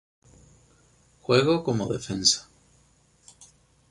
Juego como defensa.